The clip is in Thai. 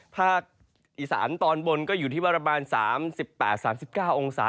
ภาคอีสานตอนบนก็อยู่ที่ประมาณ๓๘๓๙องศา